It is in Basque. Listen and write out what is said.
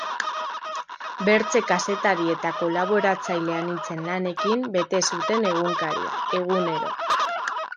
Bertze kazetari eta kolaboratzaile anitzen lanekin bete zuten egunkaria, egunero.